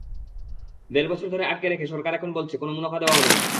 দেড় বছর ধরে আটকে রেখে সরকার এখন বলছে, কোনো মুনাফা দেওয়া হবে না।